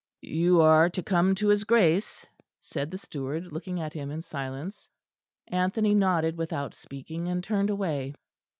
"You are to come to his Grace," said the steward, looking at him in silence. Anthony nodded without speaking, and turned away.